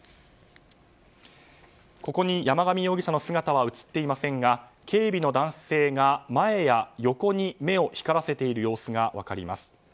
山上容疑者の姿は映っていませんが警備の男性が前や横に目を光らせている様子が分かります。